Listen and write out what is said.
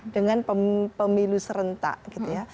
dengan pemilu serentak gitu ya